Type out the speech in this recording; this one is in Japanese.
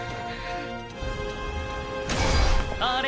あれ？